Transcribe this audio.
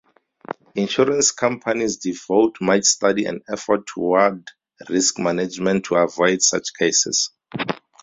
Insurance companies devote much study and effort toward risk management to avoid such cases.